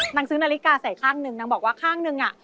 นางซื้อนาฬิกาใส่ข้างหนึ่งนางบอกว่าข้างหนึ่งอ่ะ